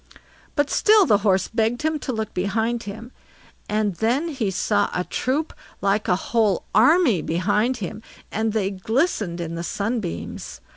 But still the Horse begged him to look behind him, and then he saw a troop like a whole army behind him, and they glistened in the sunbeams.